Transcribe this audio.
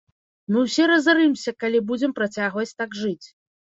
Мы ўсе разарымся, калі будзем працягваць так жыць.